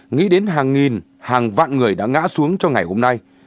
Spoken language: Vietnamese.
nghĩ đến hàng nghìn hàng vạn người đã ngã xuống cho ngày hôm nay